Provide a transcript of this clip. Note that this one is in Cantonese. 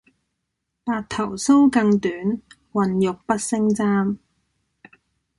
白頭搔更短，渾欲不勝簪